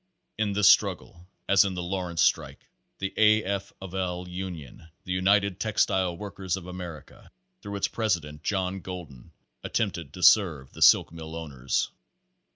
In this struggle, as in the Lawrence strike, the A. F. of L. union, The United Textile Workers of America, through its president John Golden, attempted to serve the silk mill owners.